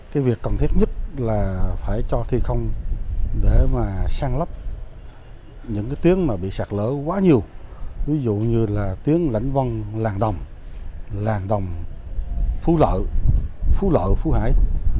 cái việc cần thiết nhất là phải cho thi không để mà sang lấp những cái tiếng mà bị sạt lở quá nhiều ví dụ như là tiếng lãnh vong làng đồng làng đồng phú lợ phú lợ phú hải